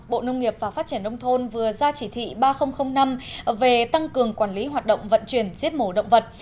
bộ nông nghiệp và phát triển nông thôn vừa ra chỉ thị ba năm về tăng cường quản lý hoạt động vận chuyển giết mổ động vật